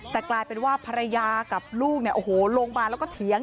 แต่กลายเป็นว่าภรรยากับลูกเนี่ยโอ้โหลงมาแล้วก็เถียง